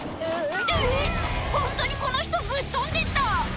えぇホントにこの人ぶっ飛んでった！